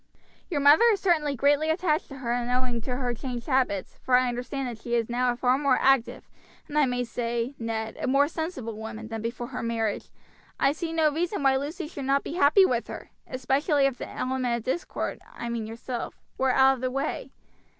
"Your mother is certainly greatly attached to her and owing to her changed habits for I understand that she is now a far more active, and I may say, Ned, a more sensible woman than before her marriage I see no reason why Lucy should not be happy with her, especially if the element of discord I mean yourself were out of the way.